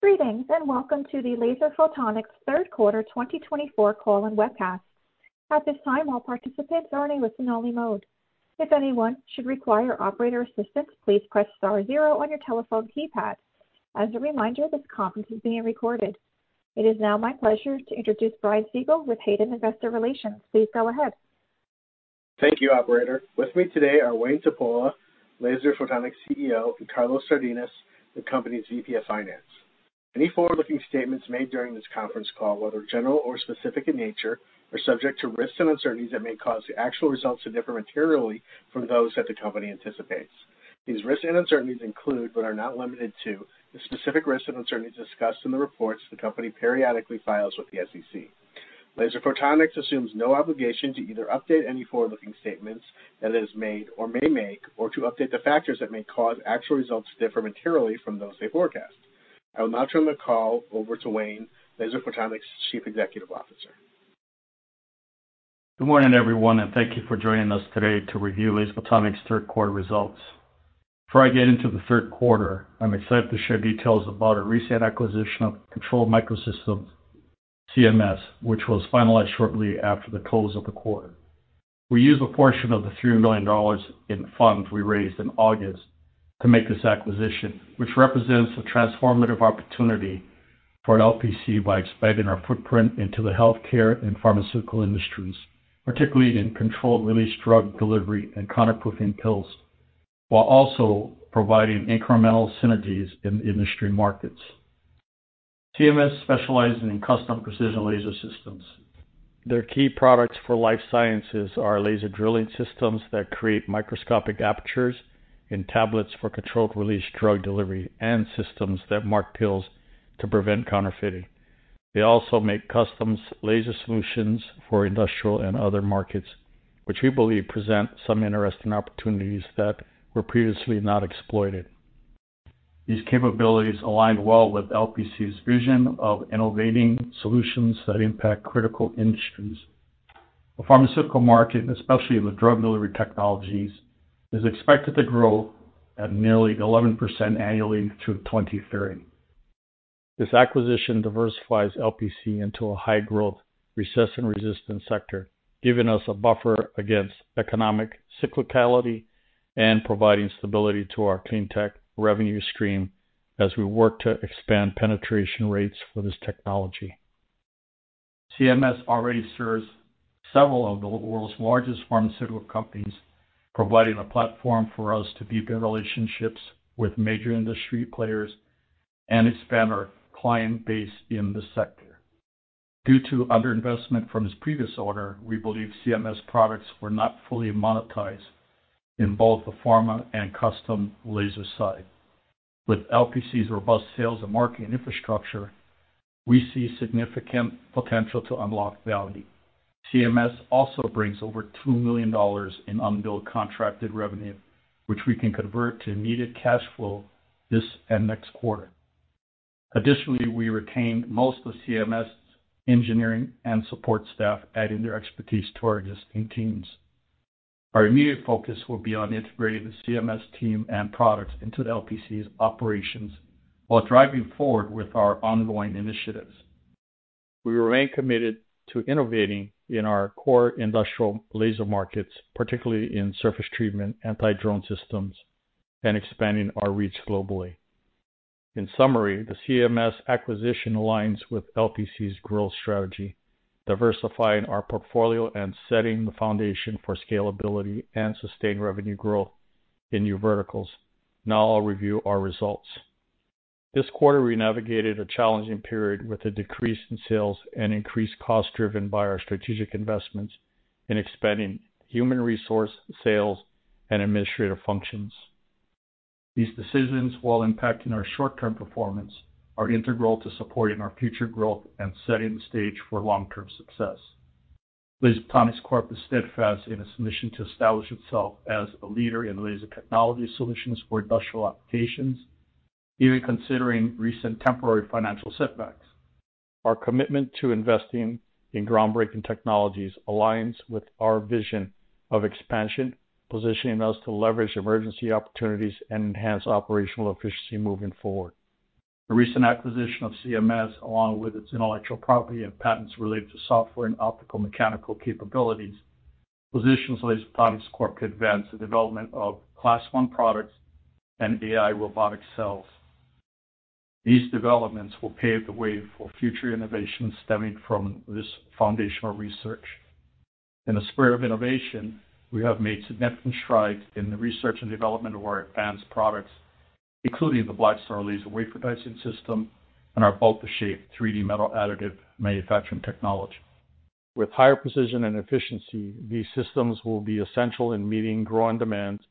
Greetings and welcome to the Laser Photonics 3rd Quarter 2024 Call and Webcast. At this time, all participants are in a listen-only mode. If anyone should require operator assistance, please press star zero on your telephone keypad. As a reminder, this conference is being recorded. It is now my pleasure to introduce Brian Siegel with Hayden Investor Relations. Please go ahead. Thank you, Operator. With me today are Wayne Tupuola, Laser Photonics CEO, and Carlos Sardinas, the company's VP of Finance. Any forward-looking statements made during this conference call, whether general or specific in nature, are subject to risks and uncertainties that may cause the actual results to differ materially from those that the company anticipates. These risks and uncertainties include, but are not limited to, the specific risks and uncertainties discussed in the reports the company periodically files with the SEC. Laser Photonics assumes no obligation to either update any forward-looking statements that it has made or may make, or to update the factors that may cause actual results to differ materially from those they forecast. I will now turn the call over to Wayne, Laser Photonics' Chief Executive Officer. Good morning, everyone, and thank you for joining us today to review Laser Photonics' third quarter results. Before I get into the third quarter, I'm excited to share details about our recent acquisition of Control Micro Systems CMS, which was finalized shortly after the close of the quarter. We used a portion of the $3 million in funds we raised in August to make this acquisition, which represents a transformative opportunity for an LPC by expanding our footprint into the healthcare and pharmaceutical industries, particularly in controlled-release drug delivery and counterfeit-proofing pills, while also providing incremental synergies in industry markets. CMS specializes in custom precision laser systems. Their key products for life sciences are laser drilling systems that create microscopic apertures in tablets for controlled-release drug delivery, and systems that mark pills to prevent counterfeiting. They also make custom laser solutions for industrial and other markets, which we believe present some interesting opportunities that were previously not exploited. These capabilities align well with LPC's vision of innovating solutions that impact critical industries. The pharmaceutical market, especially in the drug delivery technologies, is expected to grow at nearly 11% annually through 2030. This acquisition diversifies LPC into a high-growth recession-resistant sector, giving us a buffer against economic cyclicality and providing stability to our cleantech revenue stream as we work to expand penetration rates for this technology. CMS already serves several of the world's largest pharmaceutical companies, providing a platform for us to deepen relationships with major industry players and expand our client base in this sector. Due to underinvestment from its previous owner, we believe CMS products were not fully monetized in both the pharma and custom laser side. With LPC's robust sales and marketing infrastructure, we see significant potential to unlock value. CMS also brings over $2 million in unbilled contracted revenue, which we can convert to immediate cash flow this and next quarter. Additionally, we retained most of CMS's engineering and support staff, adding their expertise to our existing teams. Our immediate focus will be on integrating the CMS team and products into LPC's operations while driving forward with our ongoing initiatives. We remain committed to innovating in our core industrial laser markets, particularly in surface treatment anti-drone systems, and expanding our reach globally. In summary, the CMS acquisition aligns with LPC's growth strategy, diversifying our portfolio and setting the foundation for scalability and sustained revenue growth in new verticals. Now I'll review our results. This quarter, we navigated a challenging period with a decrease in sales and increased costs driven by our strategic investments in expanding human resource sales and administrative functions. These decisions, while impacting our short-term performance, are integral to supporting our future growth and setting the stage for long-term success. Laser Photonics Corp is steadfast in its mission to establish itself as a leader in laser technology solutions for industrial applications, even considering recent temporary financial setbacks. Our commitment to investing in groundbreaking technologies aligns with our vision of expansion, positioning us to leverage emergency opportunities and enhance operational efficiency moving forward. The recent acquisition of CMS, along with its intellectual property and patents related to software and optical mechanical capabilities, positions Laser Photonics Corp to advance the development of Class I products and AI robotic cells. These developments will pave the way for future innovations stemming from this foundational research. In the spirit of innovation, we have made significant strides in the research and development of our advanced products, including the BlackStar Laser Wafer Dicing System and our BautaShape 3D Metal Additive Manufacturing Technology. With higher precision and efficiency, these systems will be essential in meeting growing demands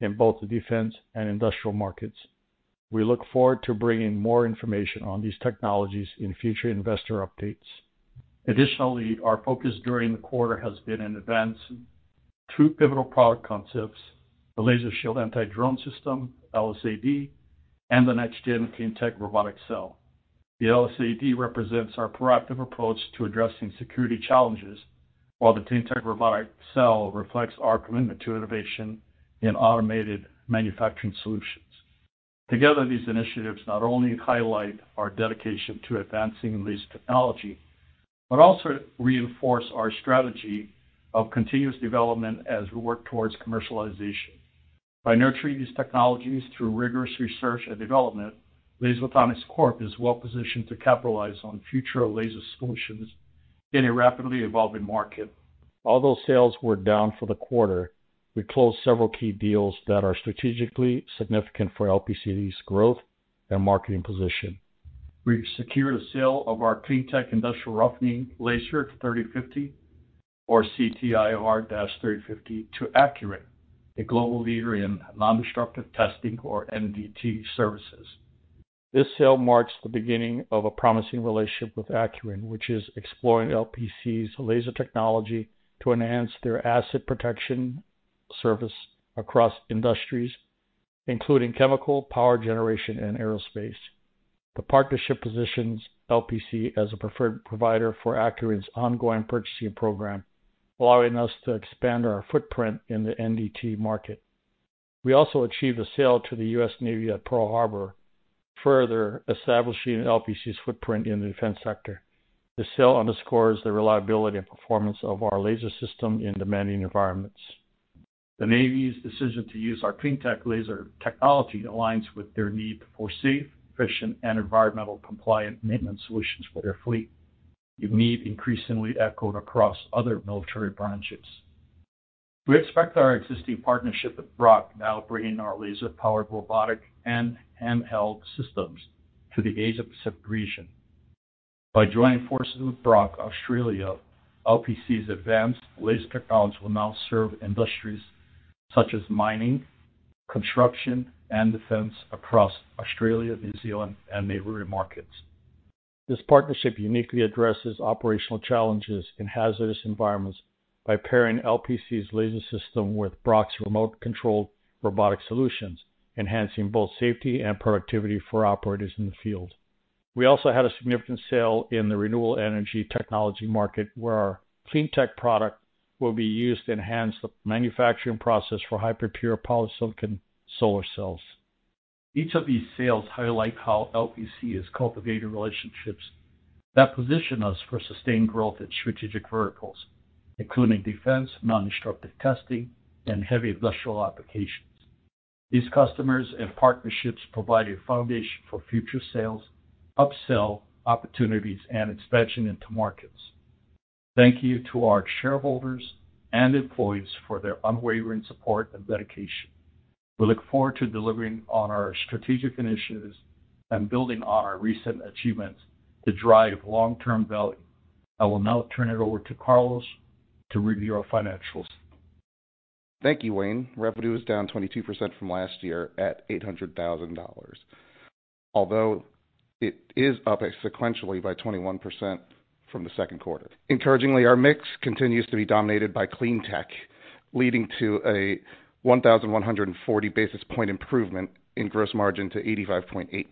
in both the defense and industrial markets. We look forward to bringing more information on these technologies in future investor updates. Additionally, our focus during the quarter has been on advancing two pivotal product concepts: the Laser Shield Anti-Drone System, LSAD, and the next-gen CleanTech robotic cell. The LSAD represents our proactive approach to addressing security challenges, while the CleanTech robotic cell reflects our commitment to innovation in automated manufacturing solutions. Together, these initiatives not only highlight our dedication to advancing laser technology, but also reinforce our strategy of continuous development as we work towards commercialization. By nurturing these technologies through rigorous research and development, Laser Photonics Corp is well positioned to capitalize on future laser solutions in a rapidly evolving market. Although sales were down for the quarter, we closed several key deals that are strategically significant for LPC's growth and marketing position. We secured a sale of our CleanTech Industrial Roughening Laser 3050, or CTIR-3050, to Acuren, a global leader in non-destructive testing, or NDT, services. This sale marks the beginning of a promising relationship with Acuren, which is exploring LPC's laser technology to enhance their asset protection service across industries, including chemical, power generation, and aerospace. The partnership positions LPC as a preferred provider for Acuren's ongoing purchasing program, allowing us to expand our footprint in the NDT market. We also achieved a sale to the U.S. Navy at Pearl Harbor, further establishing LPC's footprint in the defense sector. This sale underscores the reliability and performance of our laser system in demanding environments. The Navy's decision to use our CleanTech laser technology aligns with their need for safe, efficient, and environmental-compliant maintenance solutions for their fleet, a need increasingly echoed across other military branches. We expect our existing partnership with Brokk now to bring in our laser-powered robotic and handheld systems to the Asia-Pacific region. By joining forces with Brokk Australia, LPC's advanced laser technology will now serve industries such as mining, construction, and defense across Australia, New Zealand, and neighboring markets. This partnership uniquely addresses operational challenges in hazardous environments by pairing LPC's laser system with Brokk's remote-controlled robotic solutions, enhancing both safety and productivity for operators in the field. We also had a significant sale in the renewable energy technology market, where our CleanTech product will be used to enhance the manufacturing process for hyper-pure polysilicon solar cells. Each of these sales highlights how LPC has cultivated relationships that position us for sustained growth in strategic verticals, including defense, Non-destructive testing, and heavy industrial applications. These customers and partnerships provide a foundation for future sales, upsell opportunities, and expansion into markets. Thank you to our shareholders and employees for their unwavering support and dedication. We look forward to delivering on our strategic initiatives and building on our recent achievements to drive long-term value. I will now turn it over to Carlos to review our financials. Thank you, Wayne. Revenue is down 22% from last year at $800,000, although it is up sequentially by 21% from the second quarter. Encouragingly, our mix continues to be dominated by CleanTech, leading to a 1,140 basis point improvement in gross margin to 85.8%.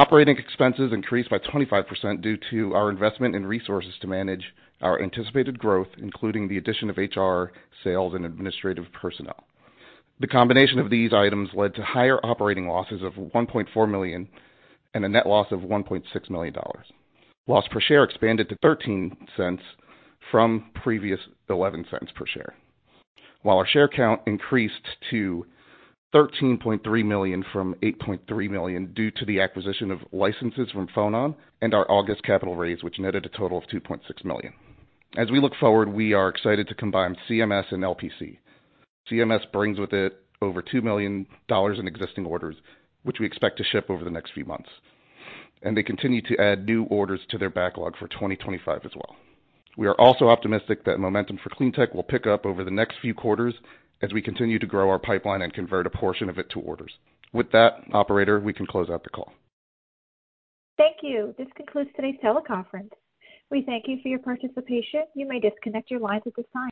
Operating expenses increased by 25% due to our investment in resources to manage our anticipated growth, including the addition of HR, sales, and administrative personnel. The combination of these items led to higher operating losses of $1.4 million and a net loss of $1.6 million. Loss per share expanded to $0.13 from previous $0.11 per share, while our share count increased to 13.3 million from 8.3 million due to the acquisition of licenses from Fonon and our August capital raise, which netted a total of $2.6 million. As we look forward, we are excited to combine CMS and LPC. CMS brings with it over $2 million in existing orders, which we expect to ship over the next few months, and they continue to add new orders to their backlog for 2025 as well. We are also optimistic that momentum for CleanTech will pick up over the next few quarters as we continue to grow our pipeline and convert a portion of it to orders. With that, Operator, we can close out the call. Thank you. This concludes today's teleconference. We thank you for your participation. You may disconnect your lines at this time.